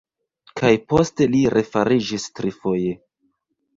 Kaj poste li refariĝis trifoje.